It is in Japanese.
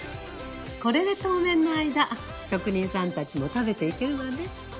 これで当面の間職人さんたちも食べていけるわね。